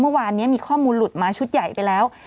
เมื่อวานนี้มีข้อมูลหลุดมาชุดใหญ่ไปแล้ว